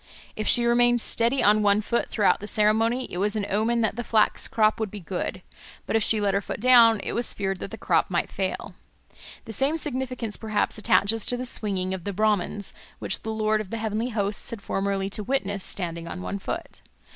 If she remained steady on one foot throughout the ceremony, it was an omen that the flax crop would be good; but if she let her foot down, it was feared that the crop might fail. The same significance perhaps attaches to the swinging of the Brahmans, which the Lord of the Heavenly Hosts had formerly to witness standing on one foot.